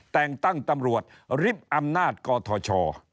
แต่งตั้งตำรวจริบอำนาจกทช